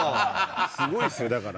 すごいですよだから。